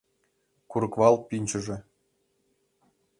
Курыквал пӱнчыжӧ